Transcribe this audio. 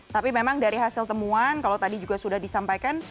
tapi memang dari hasil temuan kalau tadi juga sudah disampaikan